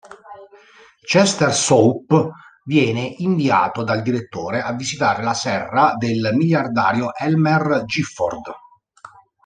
Chester Soup viene inviato dal direttore a visitare la serra del miliardario Elmer Gifford.